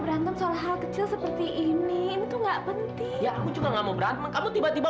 berantem soal hal kecil seperti ini itu enggak penting ya aku juga nggak mau berantem kamu tiba tiba